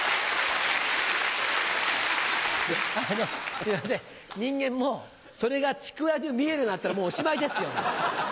あのすいません人間もそれがちくわに見えるようになったらもうおしまいですよ。